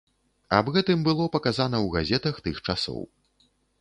Аб гэтым было паказана ў газетах тых часоў.